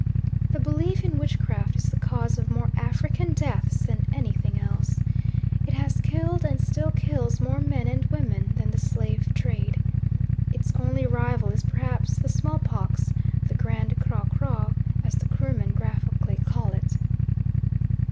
The belief in witchcraft is the cause of more African deaths than anything else. It has killed and still kills more men and women than the slave trade. Its only rival is perhaps the smallpox, the Grand Kraw Kraw, as the Krumen graphically call it.